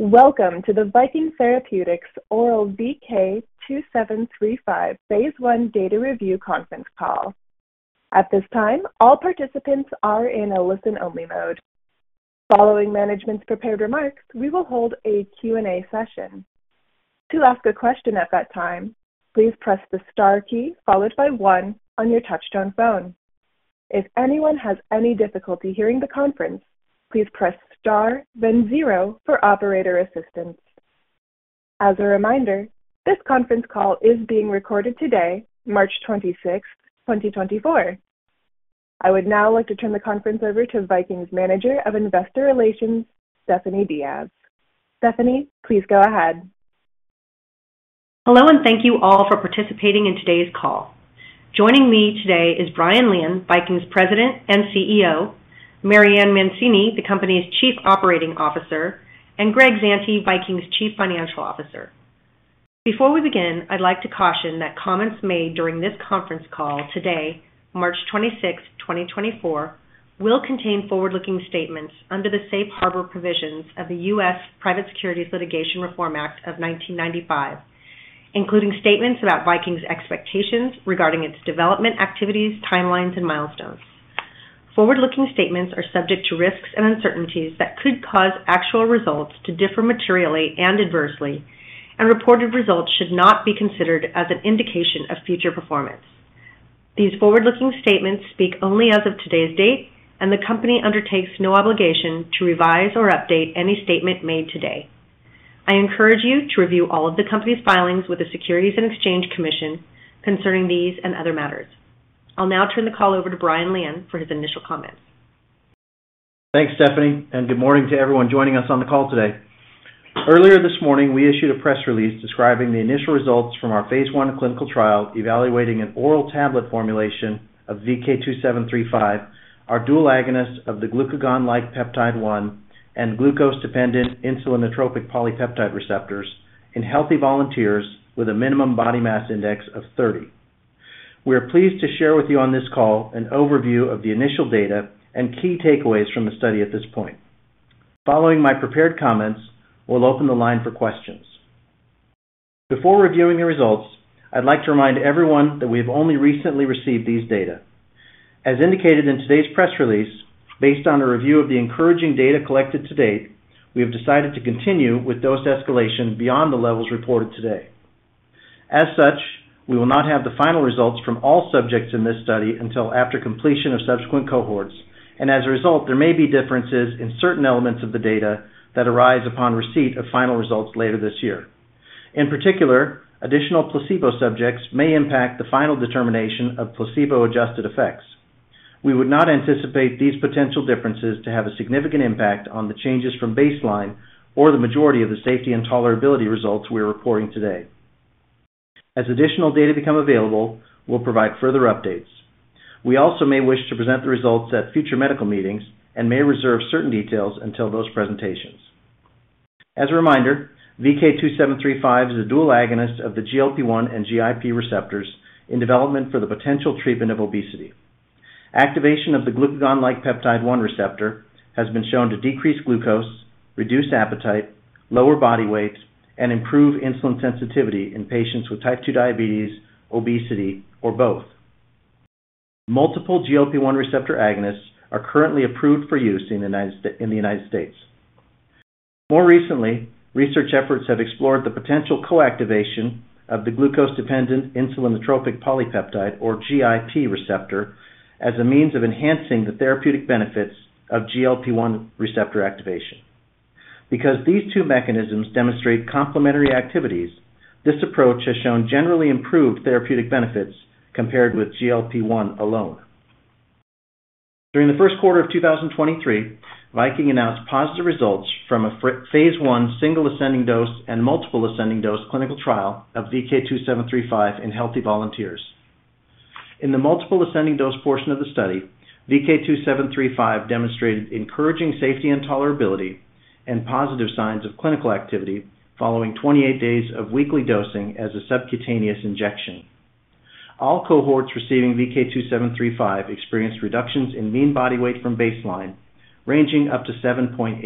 Welcome to the Viking Therapeutics oral VK2735 phase 1 Data Review Conference call. At this time, all participants are in a listen-only mode. Following management's prepared remarks, we will hold a Q&A session. To ask a question at that time, please press the star key followed by 1 on your touch-tone phone. If anyone has any difficulty hearing the conference, please press star, then 0 for operator assistance. As a reminder, this conference call is being recorded today, March 26, 2024. I would now like to turn the conference over to Viking's manager of investor relations, Stephanie Diaz. Stephanie, please go ahead. Hello and thank you all for participating in today's call. Joining me today is Brian Lian, Viking's president and CEO, Marianne Mancini, the company's chief operating officer, and Greg Zante, Viking's chief financial officer. Before we begin, I'd like to caution that comments made during this conference call today, March 26, 2024, will contain forward-looking statements under the Safe Harbor provisions of the U.S. Private Securities Litigation Reform Act of 1995, including statements about Viking's expectations regarding its development activities, timelines, and milestones. Forward-looking statements are subject to risks and uncertainties that could cause actual results to differ materially and adversely, and reported results should not be considered as an indication of future performance. These forward-looking statements speak only as of today's date, and the company undertakes no obligation to revise or update any statement made today. I encourage you to review all of the company's filings with the Securities and Exchange Commission concerning these and other matters. I'll now turn the call over to Brian Lian for his initial comments. Thanks, Stephanie, and good morning to everyone joining us on the call today. Earlier this morning, we issued a press release describing the initial results from our phase 1 clinical trial evaluating an oral tablet formulation of VK2735, our dual agonist of the glucagon-like peptide 1 and glucose-dependent insulinotropic polypeptide receptors, in healthy volunteers with a minimum body mass index of 30. We are pleased to share with you on this call an overview of the initial data and key takeaways from the study at this point. Following my prepared comments, we'll open the line for questions. Before reviewing the results, I'd like to remind everyone that we have only recently received these data. As indicated in today's press release, based on a review of the encouraging data collected to date, we have decided to continue with dose escalation beyond the levels reported today. As such, we will not have the final results from all subjects in this study until after completion of subsequent cohorts, and as a result, there may be differences in certain elements of the data that arise upon receipt of final results later this year. In particular, additional placebo subjects may impact the final determination of placebo-adjusted effects. We would not anticipate these potential differences to have a significant impact on the changes from baseline or the majority of the safety and tolerability results we are reporting today. As additional data become available, we'll provide further updates. We also may wish to present the results at future medical meetings and may reserve certain details until those presentations. As a reminder, VK2735 is a dual agonist of the GLP-1 and GIP receptors in development for the potential treatment of obesity. Activation of the glucagon-like peptide 1 receptor has been shown to decrease glucose, reduce appetite, lower body weight, and improve insulin sensitivity in patients with type 2 diabetes, obesity, or both. Multiple GLP-1 receptor agonists are currently approved for use in the United States. More recently, research efforts have explored the potential co-activation of the glucose-dependent insulinotropic polypeptide, or GIP, receptor as a means of enhancing the therapeutic benefits of GLP-1 receptor activation. Because these two mechanisms demonstrate complementary activities, this approach has shown generally improved therapeutic benefits compared with GLP-1 alone. During the first quarter of 2023, Viking announced positive results from a phase 1 single ascending dose and multiple ascending dose clinical trial of VK2735 in healthy volunteers. In the multiple ascending dose portion of the study, VK2735 demonstrated encouraging safety and tolerability and positive signs of clinical activity following 28 days of weekly dosing as a subcutaneous injection. All cohorts receiving VK2735 experienced reductions in mean body weight from baseline, ranging up to 7.8%.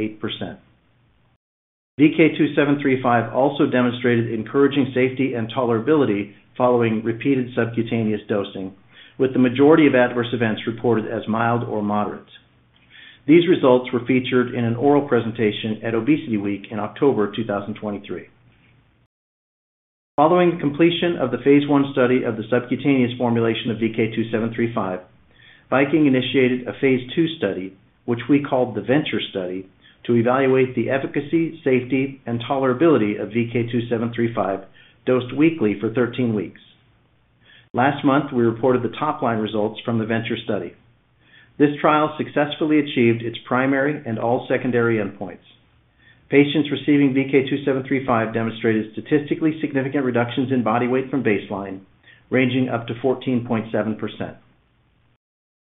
VK2735 also demonstrated encouraging safety and tolerability following repeated subcutaneous dosing, with the majority of adverse events reported as mild or moderate. These results were featured in an oral presentation at ObesityWeek in October 2023. Following the completion of the phase 1 study of the subcutaneous formulation of VK2735, Viking initiated a phase 2 study, which we called the VENTURE Study, to evaluate the efficacy, safety, and tolerability of VK2735 dosed weekly for 13 weeks. Last month, we reported the top-line results from the VENTURE Study. This trial successfully achieved its primary and all secondary endpoints. Patients receiving VK2735 demonstrated statistically significant reductions in body weight from baseline, ranging up to 14.7%.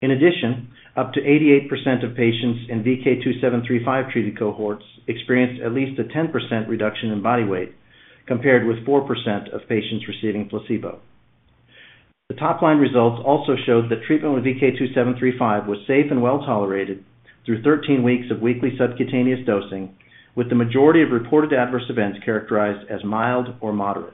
In addition, up to 88% of patients in VK2735 treated cohorts experienced at least a 10% reduction in body weight compared with 4% of patients receiving placebo. The top-line results also showed that treatment with VK2735 was safe and well-tolerated through 13 weeks of weekly subcutaneous dosing, with the majority of reported adverse events characterized as mild or moderate.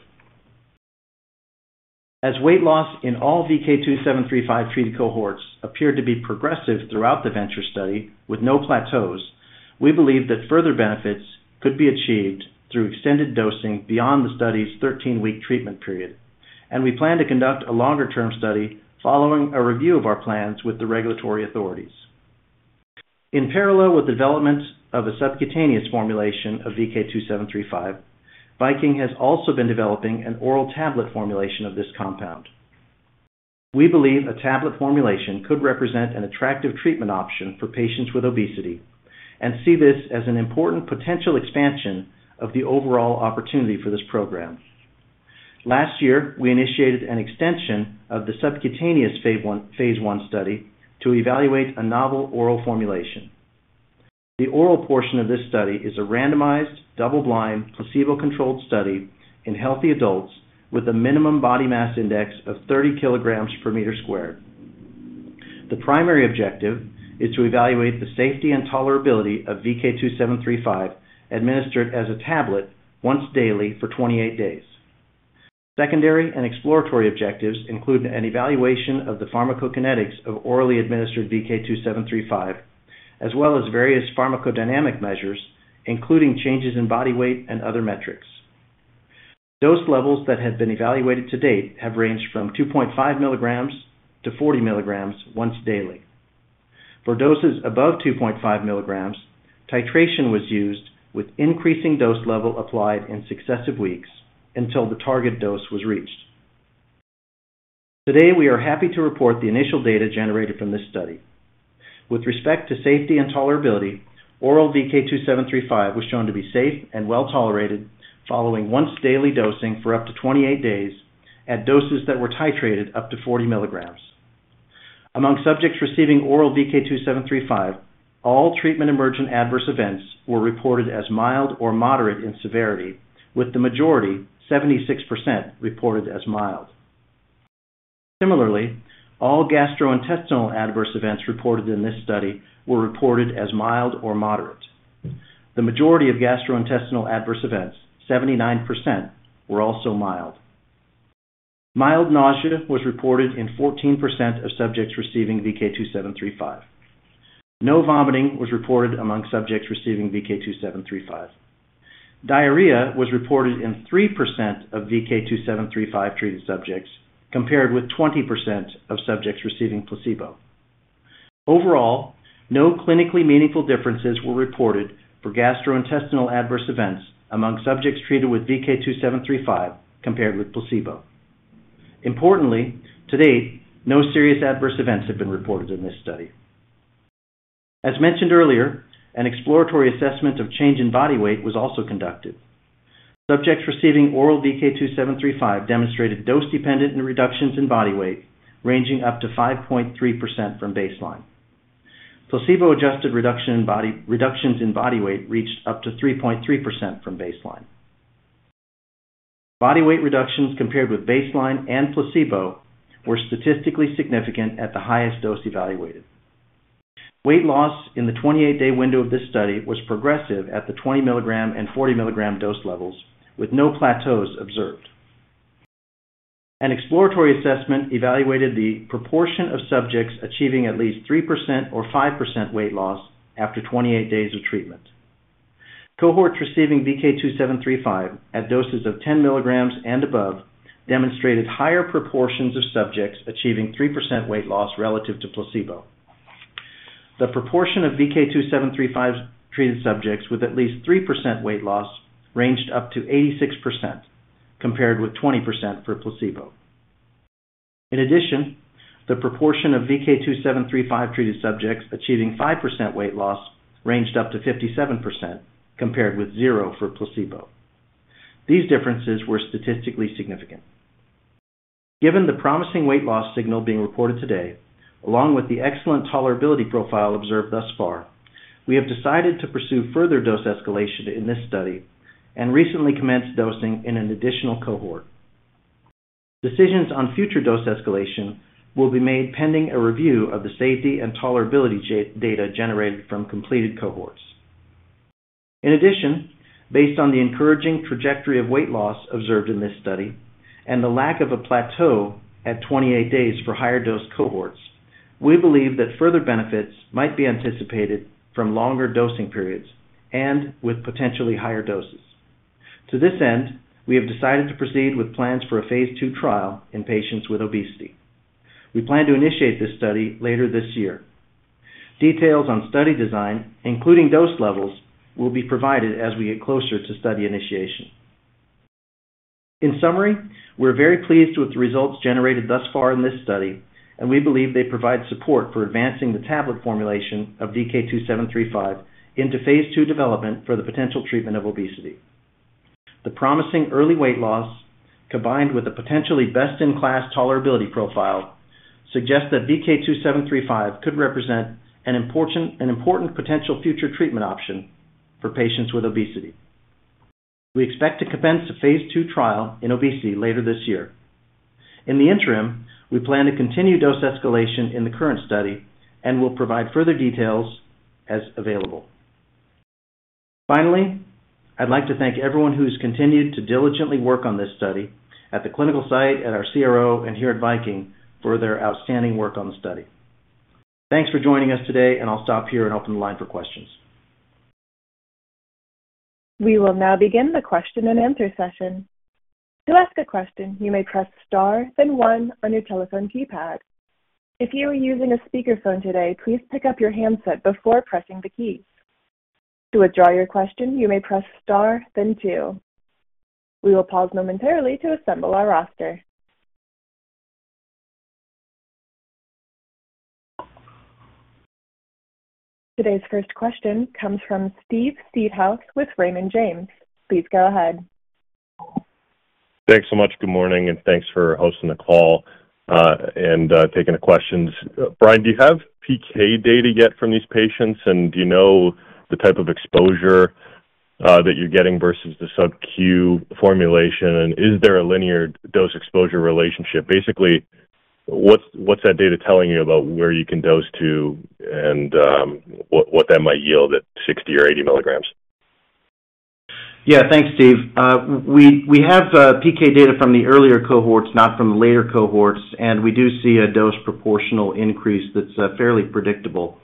As weight loss in all VK2735 treated cohorts appeared to be progressive throughout the VENTURE Study with no plateaus, we believe that further benefits could be achieved through extended dosing beyond the study's 13-week treatment period, and we plan to conduct a longer-term study following a review of our plans with the regulatory authorities. In parallel with the development of a subcutaneous formulation of VK2735, Viking has also been developing an oral tablet formulation of this compound. We believe a tablet formulation could represent an attractive treatment option for patients with obesity and see this as an important potential expansion of the overall opportunity for this program. Last year, we initiated an extension of the subcutaneous phase 1 study to evaluate a novel oral formulation. The oral portion of this study is a randomized, double-blind, placebo-controlled study in healthy adults with a minimum body mass index of 30 kilograms per meter squared. The primary objective is to evaluate the safety and tolerability of VK2735 administered as a tablet once daily for 28 days. Secondary and exploratory objectives include an evaluation of the pharmacokinetics of orally administered VK2735, as well as various pharmacodynamic measures, including changes in body weight and other metrics. Dose levels that have been evaluated to date have ranged from 2.5 milligrams to 40 milligrams once daily. For doses above 2.5 milligrams, titration was used with increasing dose level applied in successive weeks until the target dose was reached. Today, we are happy to report the initial data generated from this study. With respect to safety and tolerability, oral VK2735 was shown to be safe and well-tolerated following once-daily dosing for up to 28 days at doses that were titrated up to 40 milligrams. Among subjects receiving oral VK2735, all treatment-emergent adverse events were reported as mild or moderate in severity, with the majority, 76%, reported as mild. Similarly, all gastrointestinal adverse events reported in this study were reported as mild or moderate. The majority of gastrointestinal adverse events, 79%, were also mild. Mild nausea was reported in 14% of subjects receiving VK2735. No vomiting was reported among subjects receiving VK2735. Diarrhea was reported in 3% of VK2735 treated subjects compared with 20% of subjects receiving placebo. Overall, no clinically meaningful differences were reported for gastrointestinal adverse events among subjects treated with VK2735 compared with placebo. Importantly, to date, no serious adverse events have been reported in this study. As mentioned earlier, an exploratory assessment of change in body weight was also conducted. Subjects receiving oral VK2735 demonstrated dose-dependent reductions in body weight ranging up to 5.3% from baseline. Placebo-adjusted reductions in body weight reached up to 3.3% from baseline. Body weight reductions compared with baseline and placebo were statistically significant at the highest dose evaluated. Weight loss in the 28-day window of this study was progressive at the 20 milligram and 40 milligram dose levels, with no plateaus observed. An exploratory assessment evaluated the proportion of subjects achieving at least 3% or 5% weight loss after 28 days of treatment. Cohorts receiving VK2735 at doses of 10 milligrams and above demonstrated higher proportions of subjects achieving 3% weight loss relative to placebo. The proportion of VK2735 treated subjects with at least 3% weight loss ranged up to 86% compared with 20% for placebo. In addition, the proportion of VK2735 treated subjects achieving 5% weight loss ranged up to 57% compared with 0% for placebo. These differences were statistically significant. Given the promising weight loss signal being reported today, along with the excellent tolerability profile observed thus far, we have decided to pursue further dose escalation in this study and recently commenced dosing in an additional cohort. Decisions on future dose escalation will be made pending a review of the safety and tolerability data generated from completed cohorts. In addition, based on the encouraging trajectory of weight loss observed in this study and the lack of a plateau at 28 days for higher dose cohorts, we believe that further benefits might be anticipated from longer dosing periods and with potentially higher doses. To this end, we have decided to proceed with plans for a phase 2 trial in patients with obesity. We plan to initiate this study later this year. Details on study design, including dose levels, will be provided as we get closer to study initiation. In summary, we're very pleased with the results generated thus far in this study, and we believe they provide support for advancing the tablet formulation of VK2735 into phase 2 development for the potential treatment of obesity. The promising early weight loss, combined with a potentially best-in-class tolerability profile, suggests that VK2735 could represent an important potential future treatment option for patients with obesity. We expect to commence a phase 2 trial in obesity later this year. In the interim, we plan to continue dose escalation in the current study and will provide further details as available. Finally, I'd like to thank everyone who has continued to diligently work on this study at the clinical site, at our CRO, and here at Viking for their outstanding work on the study. Thanks for joining us today, and I'll stop here and open the line for questions. We will now begin the question-and-answer session. To ask a question, you may press star, then 1 on your telephone keypad. If you are using a speakerphone today, please pick up your handset before pressing the keys. To withdraw your question, you may press star, then 2. We will pause momentarily to assemble our roster. Today's first question comes from Steve Seedhouse with Raymond James. Please go ahead. Thanks so much. Good morning, and thanks for hosting the call and taking the questions. Brian, do you have PK data yet from these patients, and do you know the type of exposure that you're getting versus the sub-Q formulation? And is there a linear dose-exposure relationship? Basically, what's that data telling you about where you can dose to and what that might yield at 60 or 80 milligrams? Yeah. Thanks, Steve. We have PK data from the earlier cohorts, not from the later cohorts, and we do see a dose-proportional increase that's fairly predictable.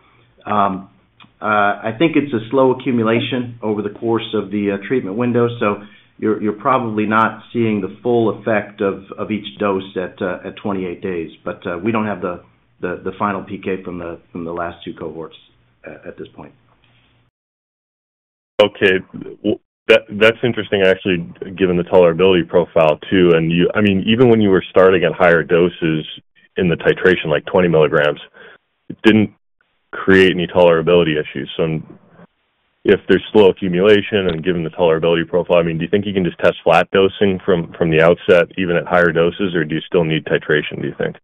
I think it's a slow accumulation over the course of the treatment window, so you're probably not seeing the full effect of each dose at 28 days. But we don't have the final PK from the last two cohorts at this point. Okay. That's interesting, actually, given the tolerability profile too. And I mean, even when you were starting at higher doses in the titration, like 20 milligrams, it didn't create any tolerability issues. So if there's slow accumulation and given the tolerability profile, I mean, do you think you can just test flat dosing from the outset, even at higher doses, or do you still need titration, do you think?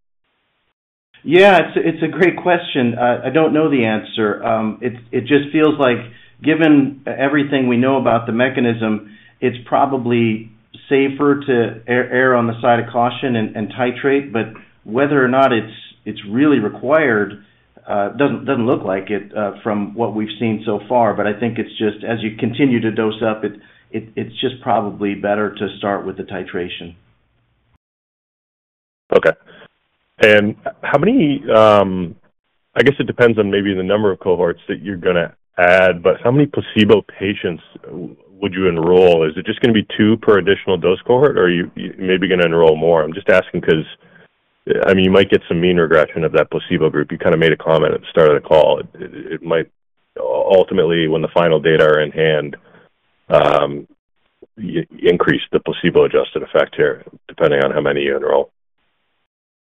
Yeah. It's a great question. I don't know the answer. It just feels like, given everything we know about the mechanism, it's probably safer to err on the side of caution and titrate. But whether or not it's really required doesn't look like it from what we've seen so far. But I think it's just, as you continue to dose up, it's just probably better to start with the titration. Okay. And I guess it depends on maybe the number of cohorts that you're going to add. But how many placebo patients would you enroll? Is it just going to be 2 per additional dose cohort, or are you maybe going to enroll more? I'm just asking because, I mean, you might get some mean regression of that placebo group. You kind of made a comment at the start of the call. It might ultimately, when the final data are in hand, increase the placebo-adjusted effect here, depending on how many you enroll.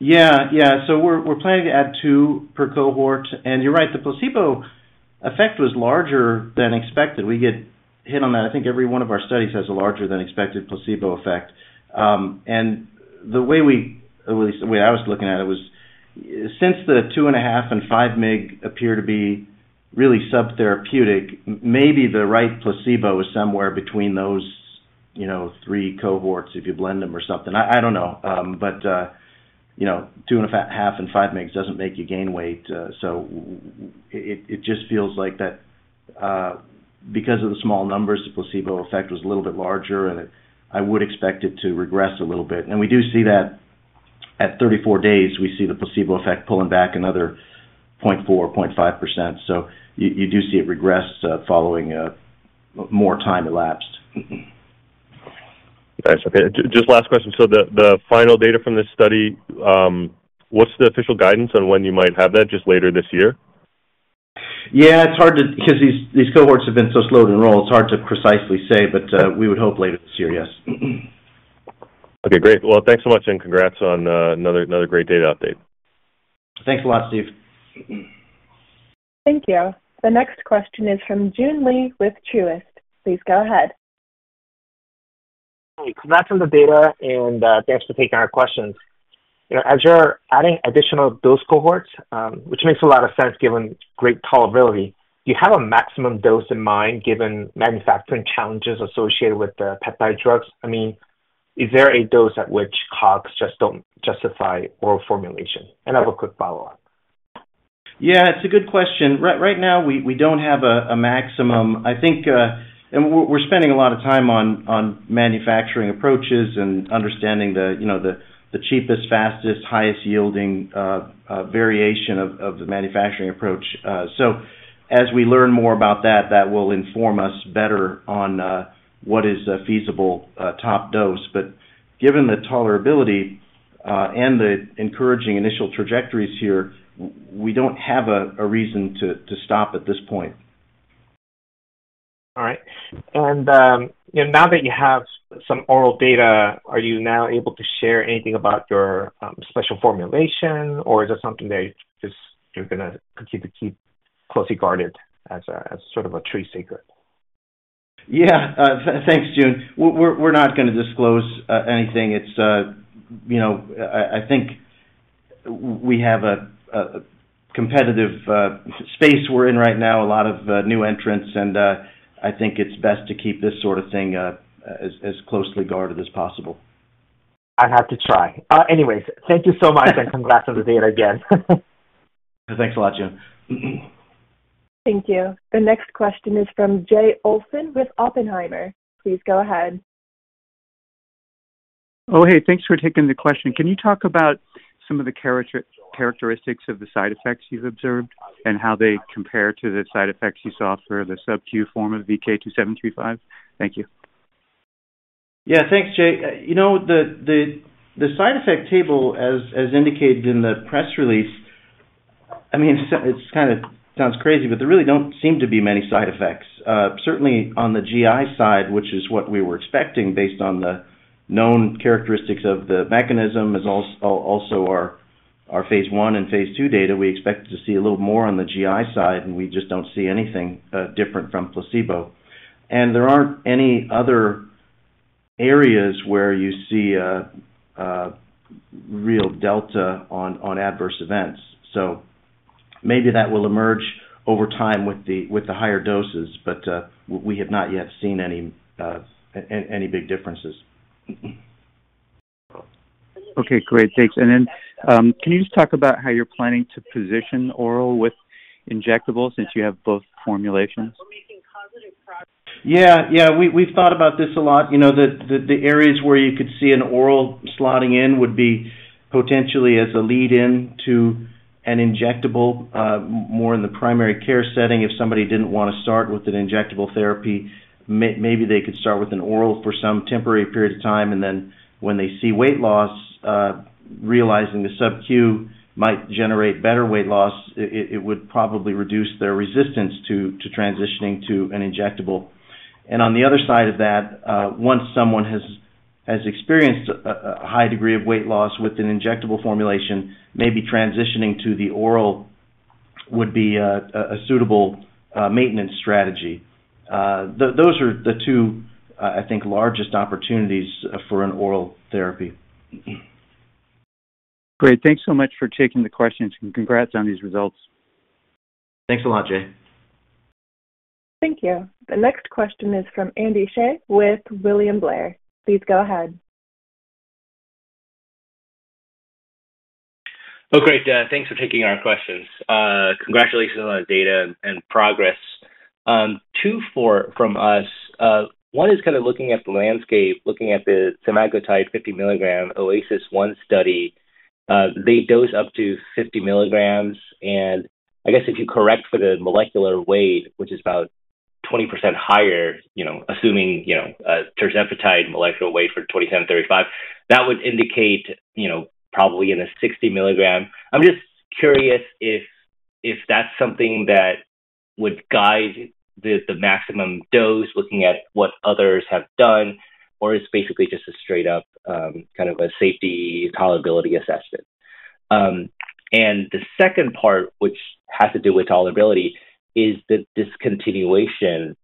Yeah. Yeah. So we're planning to add 2 per cohort. And you're right. The placebo effect was larger than expected. We get hit on that. I think every one of our studies has a larger-than-expected placebo effect. And the way we at least the way I was looking at it was, since the 2.5 and 5 mg appear to be really subtherapeutic, maybe the right placebo is somewhere between those three cohorts if you blend them or something. I don't know. But 2.5 and 5 mg doesn't make you gain weight. So it just feels like that, because of the small numbers, the placebo effect was a little bit larger, and I would expect it to regress a little bit. And we do see that at 34 days, we see the placebo effect pulling back another 0.4%-0.5%. So you do see it regress following more time elapsed. Nice. Okay. Just last question. So the final data from this study, what's the official guidance on when you might have that, just later this year? Yeah. It's hard to because these cohorts have been so slow to enroll, it's hard to precisely say. But we would hope later this year, yes. Okay. Great. Well, thanks so much, and congrats on another great data update. Thanks a lot, Steve. Thank you. The next question is from Joon Lee with Truist Securities. Please go ahead. Hey. Congrats on the data, and thanks for taking our questions. As you're adding additional dose cohorts, which makes a lot of sense given great tolerability, do you have a maximum dose in mind given manufacturing challenges associated with the peptide drugs? I mean, is there a dose at which COGS just don't justify oral formulation? And I have a quick follow-up. Yeah. It's a good question. Right now, we don't have a maximum. I think we're spending a lot of time on manufacturing approaches and understanding the cheapest, fastest, highest-yielding variation of the manufacturing approach. So as we learn more about that, that will inform us better on what is a feasible top dose. But given the tolerability and the encouraging initial trajectories here, we don't have a reason to stop at this point. All right. Now that you have some oral data, are you now able to share anything about your special formulation, or is that something that you're going to continue to keep closely guarded as sort of a trade secret? Yeah. Thanks, Joon. We're not going to disclose anything. I think we have a competitive space we're in right now, a lot of new entrants. And I think it's best to keep this sort of thing as closely guarded as possible. I have to try. Anyways, thank you so much, and congrats on the data again. Thanks a lot, Joon. Thank you. The next question is from Jay Olson with Oppenheimer. Please go ahead. Oh, hey. Thanks for taking the question. Can you talk about some of the characteristics of the side effects you've observed and how they compare to the side effects you saw for the sub-Q form of VK2735? Thank you. Yeah. Thanks, Jay. The side effect table, as indicated in the press release, I mean, it kind of sounds crazy, but there really don't seem to be many side effects. Certainly, on the GI side, which is what we were expecting based on the known characteristics of the mechanism, as also our phase 1 and phase 2 data, we expected to see a little more on the GI side, and we just don't see anything different from placebo. And there aren't any other areas where you see real delta on adverse events. So maybe that will emerge over time with the higher doses, but we have not yet seen any big differences. Okay. Great. Thanks. And then can you just talk about how you're planning to position oral with injectables since you have both formulations? Yeah. Yeah. We've thought about this a lot. The areas where you could see an oral slotting in would be potentially as a lead-in to an injectable, more in the primary care setting. If somebody didn't want to start with an injectable therapy, maybe they could start with an oral for some temporary period of time. And then when they see weight loss, realizing the sub-Q might generate better weight loss, it would probably reduce their resistance to transitioning to an injectable. And on the other side of that, once someone has experienced a high degree of weight loss with an injectable formulation, maybe transitioning to the oral would be a suitable maintenance strategy. Those are the two, I think, largest opportunities for an oral therapy. Great. Thanks so much for taking the questions, and congrats on these results. Thanks a lot, Jay. Thank you. The next question is from Andy Hsieh with William Blair. Please go ahead. Oh, great. Thanks for taking our questions. Congratulations on the data and progress. Two for us. One is kind of looking at the landscape, looking at the semaglutide 50 milligram OASIS 1 study. They dose up to 50 milligrams. And I guess if you correct for the molecular weight, which is about 20% higher, assuming tirzepatide molecular weight for 2735, that would indicate probably in the 60 milligram. I'm just curious if that's something that would guide the maximum dose, looking at what others have done, or it's basically just a straight-up kind of a safety tolerability assessment. The second part, which has to do with tolerability, is the discontinuation.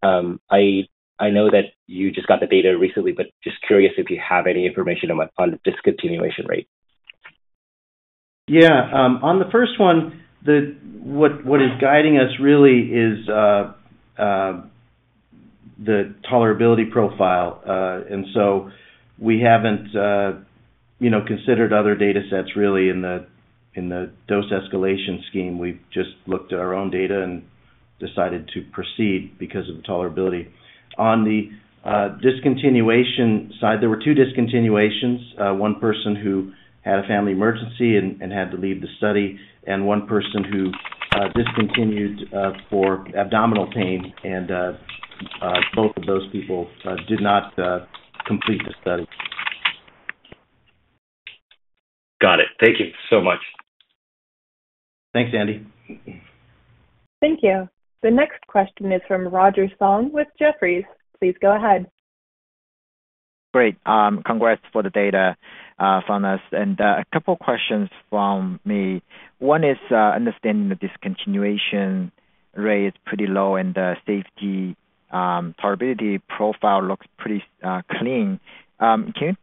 I know that you just got the data recently, but just curious if you have any information on the discontinuation rate. Yeah. On the first one, what is guiding us really is the tolerability profile. So we haven't considered other datasets really in the dose escalation scheme. We've just looked at our own data and decided to proceed because of the tolerability. On the discontinuation side, there were two discontinuations: one person who had a family emergency and had to leave the study, and one person who discontinued for abdominal pain. Both of those people did not complete the study. Got it. Thank you so much. Thanks, Andy. Thank you. The next question is from Roger Song with Jefferies. Please go ahead. Great. Congrats for the data from us. A couple of questions from me. One is understanding the discontinuation rate is pretty low, and the safety tolerability profile looks pretty clean. Can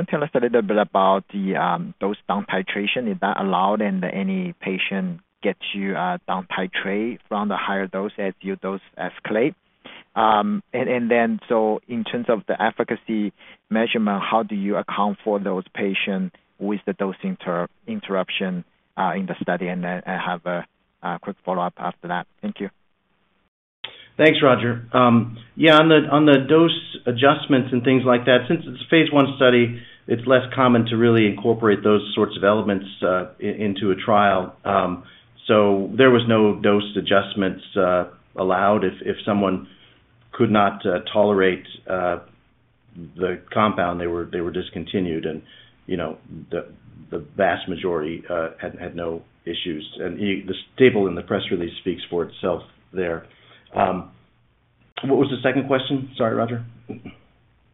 you tell us a little bit about the dose down titration? Is that allowed, and does any patient get to down titrate from the higher dose as your dose escalates? So in terms of the efficacy measurement, how do you account for those patients with the dosing interruption in the study? I have a quick follow-up after that. Thank you. Thanks, Roger. Yeah. On the dose adjustments and things like that, since it's a phase 1 study, it's less common to really incorporate those sorts of elements into a trial. So there was no dose adjustments allowed. If someone could not tolerate the compound, they were discontinued. The vast majority had no issues. The table in the press release speaks for itself there. What was the second question? Sorry, Roger.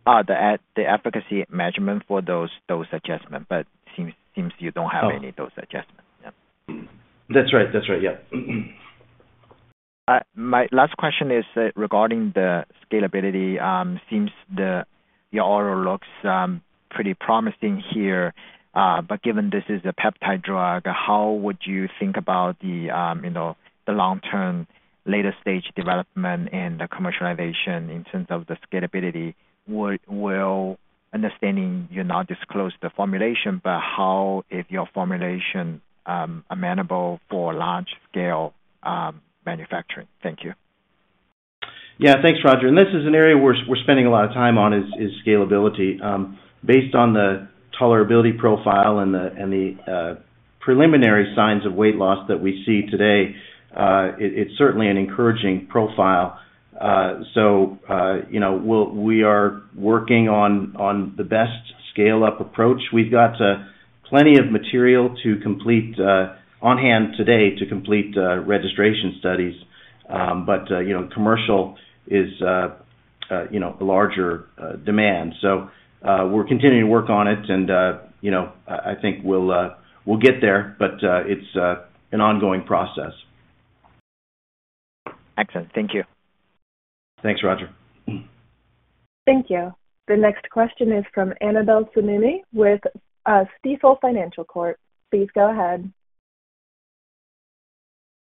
The efficacy measurement for those dose adjustments, but it seems you don't have any dose adjustments. Yeah. That's right. That's right. Yep. My last question is regarding the scalability. It seems your oral looks pretty promising here. But given this is a peptide drug, how would you think about the long-term, later-stage development and the commercialization in terms of the scalability? Understanding you're not disclosing the formulation, but how is your formulation amenable for large-scale manufacturing? Thank you. Yeah. Thanks, Roger. And this is an area we're spending a lot of time on, is scalability. Based on the tolerability profile and the preliminary signs of weight loss that we see today, it's certainly an encouraging profile. So we are working on the best scale-up approach. We've got plenty of material on hand today to complete registration studies. But commercial is a larger demand. So we're continuing to work on it, and I think we'll get there. But it's an ongoing process. Excellent. Thank you. Thanks, Roger. Thank you. The next question is from Annabel Samimy with Stifel. Please go ahead.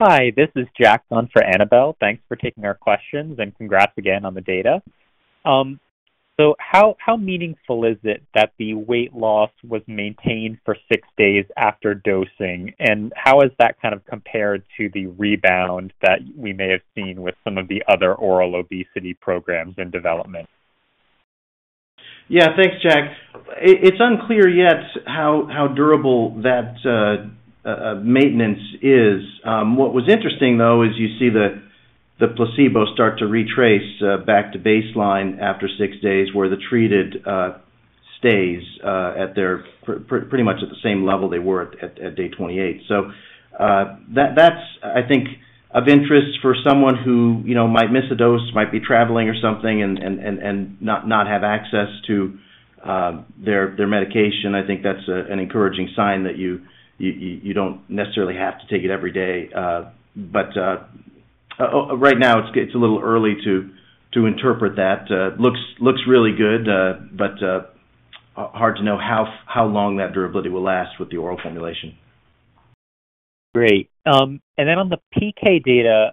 Hi. This is Jack for Annabel. Thanks for taking our questions, and congrats again on the data. So how meaningful is it that the weight loss was maintained for six days after dosing? And how has that kind of compared to the rebound that we may have seen with some of the other oral obesity programs in development? Yeah. Thanks, Jack. It's unclear yet how durable that maintenance is. What was interesting, though, is you see the placebo start to retrace back to baseline after six days, where the treated stays pretty much at the same level they were at day 28. So that's, I think, of interest for someone who might miss a dose, might be traveling or something, and not have access to their medication. I think that's an encouraging sign that you don't necessarily have to take it every day. But right now, it's a little early to interpret that. It looks really good, but hard to know how long that durability will last with the oral formulation. Great. And then on the PK data,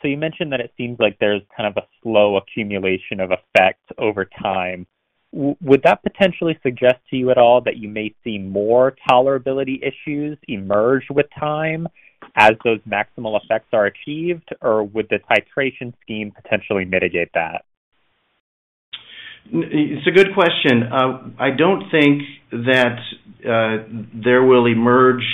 so you mentioned that it seems like there's kind of a slow accumulation of effect over time. Would that potentially suggest to you at all that you may see more tolerability issues emerge with time as those maximal effects are achieved, or would the titration scheme potentially mitigate that? It's a good question. I don't think that there will emerge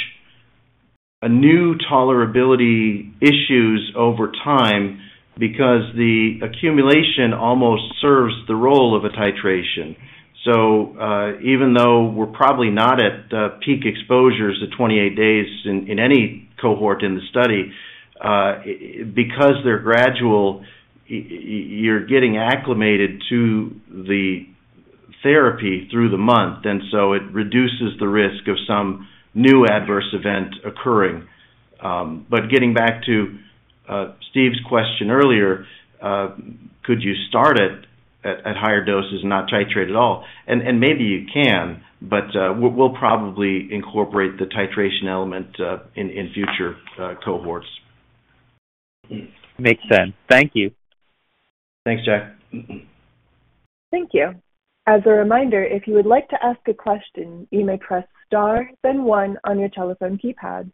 new tolerability issues over time because the accumulation almost serves the role of a titration. So even though we're probably not at peak exposures to 28 days in any cohort in the study, because they're gradual, you're getting acclimated to the therapy through the month. And so it reduces the risk of some new adverse event occurring. But getting back to Steve's question earlier, could you start at higher doses and not titrate at all? And maybe you can, but we'll probably incorporate the titration element in future cohorts. Makes sense. Thank you. Thanks, Jack. Thank you. As a reminder, if you would like to ask a question, you may press star, then 1 on your telephone keypad.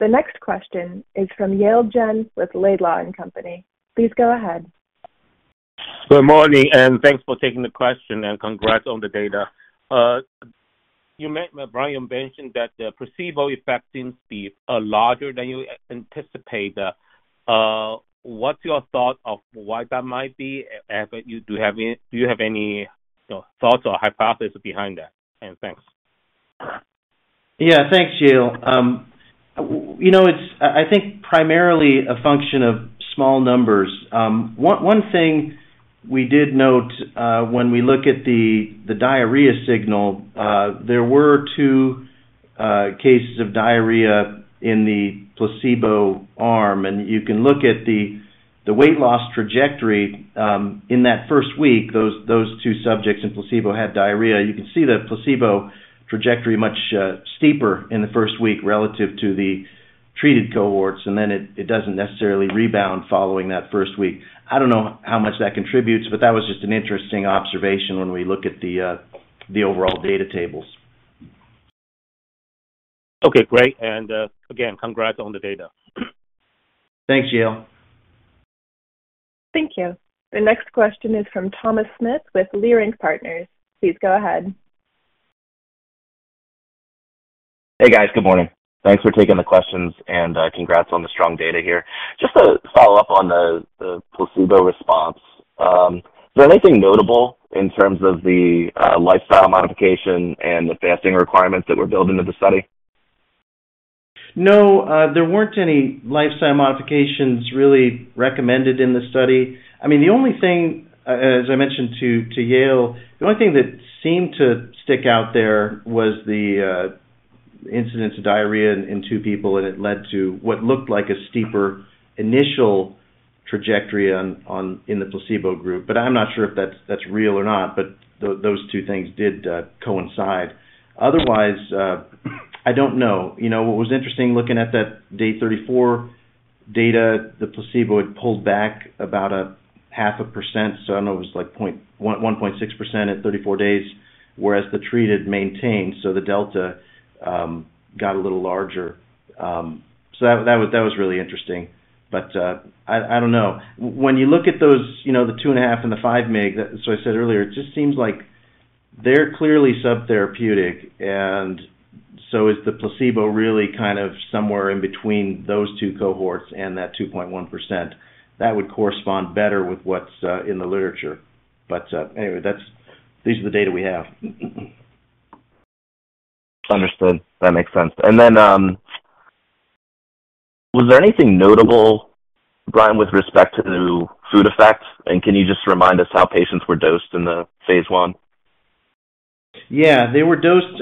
The next question is from Yale Jen with Laidlaw & Company. Please go ahead. Good morning, and thanks for taking the question, and congrats on the data. Brian mentioned that the placebo effect seems to be larger than you anticipated. What's your thought of why that might be? Do you have any thoughts or hypotheses behind that? And thanks. Yeah. Thanks, Yale. I think primarily a function of small numbers. One thing we did note when we look at the diarrhea signal, there were two cases of diarrhea in the placebo arm. And you can look at the weight loss trajectory in that first week. Those two subjects in placebo had diarrhea. You can see the placebo trajectory much steeper in the first week relative to the treated cohorts, and then it doesn't necessarily rebound following that first week. I don't know how much that contributes, but that was just an interesting observation when we look at the overall data tables. Okay. Great. And again, congrats on the data. Thanks, Yale. Thank you. The next question is from Thomas Smith with Leerink Partners. Please go ahead. Hey, guys. Good morning. Thanks for taking the questions, and congrats on the strong data here. Just to follow up on the placebo response, is there anything notable in terms of the lifestyle modification and the fasting requirements that were built into the study? No. There weren't any lifestyle modifications really recommended in the study. I mean, the only thing, as I mentioned to Yale, the only thing that seemed to stick out there was the incidence of diarrhea in two people, and it led to what looked like a steeper initial trajectory in the placebo group. But I'm not sure if that's real or not, but those two things did coincide. Otherwise, I don't know. What was interesting, looking at that day 34 data, the placebo had pulled back about 0.5%. So I don't know. It was like 1.6% at 34 days, whereas the treated maintained. So the delta got a little larger. So that was really interesting. But I don't know. When you look at the 2.5 and the 5 mg, as I said earlier, it just seems like they're clearly subtherapeutic. And so is the placebo really kind of somewhere in between those two cohorts and that 2.1%? That would correspond better with what's in the literature. But anyway, these are the data we have. Understood. That makes sense. And then was there anything notable, Brian, with respect to the food effect? And can you just remind us how patients were dosed in the phase 1? Yeah. They were dosed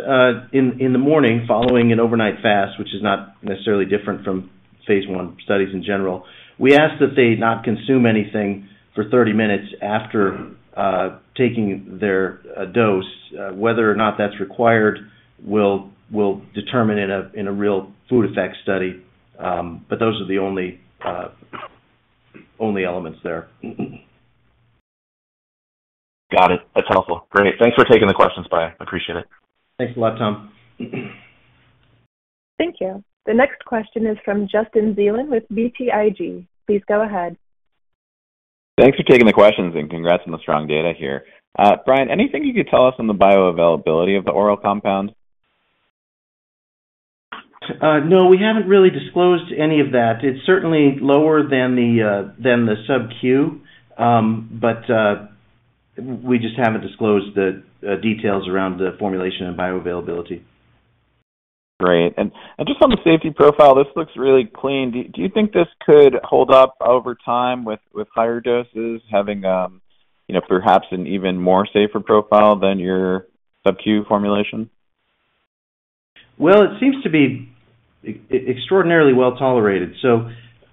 in the morning following an overnight fast, which is not necessarily different from phase 1 studies in general. We asked that they not consume anything for 30 minutes after taking their dose. Whether or not that's required will determine in a real food effect study. But those are the only elements there. Got it. That's helpful. Great. Thanks for taking the questions, Brian. I appreciate it. Thanks a lot, Tom. Thank you. The next question is from Justin Zelin with BTIG. Please go ahead. Thanks for taking the questions, and congrats on the strong data here. Brian, anything you could tell us on the bioavailability of the oral compound? No. We haven't really disclosed any of that. It's certainly lower than the sub-Q, but we just haven't disclosed the details around the formulation and bioavailability. Great. And just on the safety profile, this looks really clean. Do you think this could hold up over time with higher doses, having perhaps an even more safer profile than your sub-Q formulation? Well, it seems to be extraordinarily well tolerated.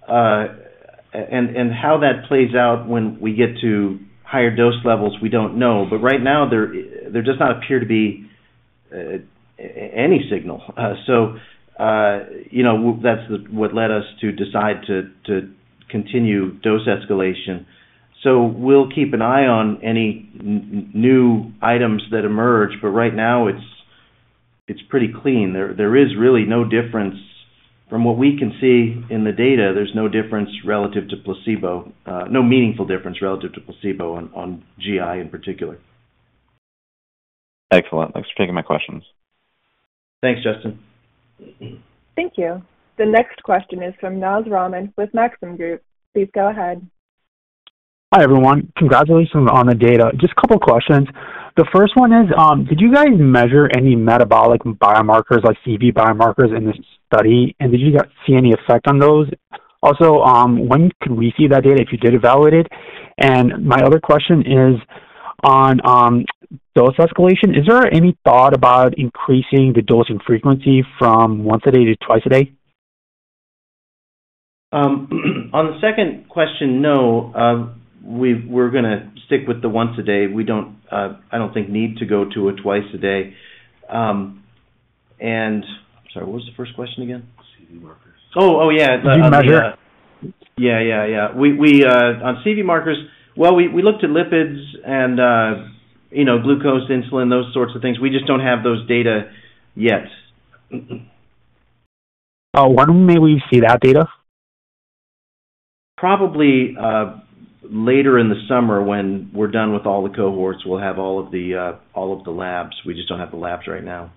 And how that plays out when we get to higher dose levels, we don't know. But right now, there does not appear to be any signal. So that's what led us to decide to continue dose escalation. We'll keep an eye on any new items that emerge. But right now, it's pretty clean. There is really no difference from what we can see in the data. There's no difference relative to placebo. No meaningful difference relative to placebo on GI in particular. Excellent. Thanks for taking my questions. Thanks, Justin. Thank you. The next question is from Naz Rahman with Maxim Group. Please go ahead. Hi, everyone. Congratulations on the data. Just a couple of questions. The first one is, did you guys measure any metabolic biomarkers like CV biomarkers in this study? And did you see any effect on those? Also, when could we see that data if you did evaluate it? My other question is, on dose escalation, is there any thought about increasing the dosing frequency from once a day to twice a day? On the second question, no. We're going to stick with the once a day. I don't think we need to go to a twice a day. And I'm sorry. What was the first question again? CV markers. Oh, oh, yeah. Did you measure? Yeah, yeah, yeah. On CV markers, well, we looked at lipids and glucose, insulin, those sorts of things. We just don't have those data yet. When may we see that data? Probably later in the summer when we're done with all the cohorts. We'll have all of the labs. We just don't have the labs right now.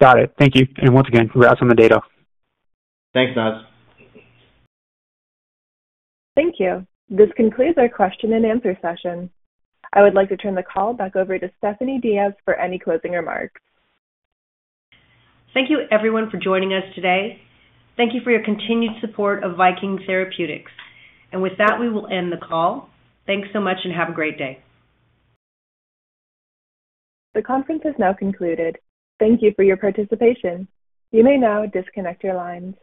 Got it. Thank you. And once again, congrats on the data. Thanks, Naz. Thank you. This concludes our question-and-answer session. I would like to turn the call back over to Stephanie Diaz for any closing remarks. Thank you, everyone, for joining us today. Thank you for your continued support of Viking Therapeutics. And with that, we will end the call. Thanks so much, and have a great day. The conference has now concluded. Thank you for your participation. You may now disconnect your lines.